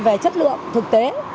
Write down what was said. về chất lượng thực tế